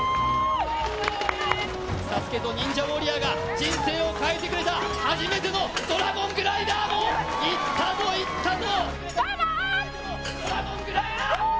ＳＡＳＵＫＥとニンジャ・ウォリアーが人生を変えてくれた、初めてのドラゴングライダーもいったぞ、いったぞ。